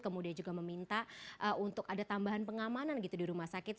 kemudian juga meminta untuk ada tambahan pengamanan gitu di rumah sakit